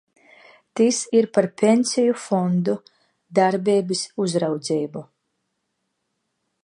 Tas ir par pensiju fondu darbības uzraudzību.